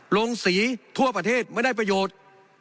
ลงสีทั่วประเทศไม่ได้ประโยชน์